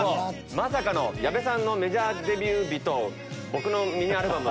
まさかの矢部さんのメジャーデビュー日と僕のミニアルバム。